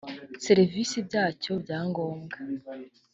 serivisi byacyo bya ngombwa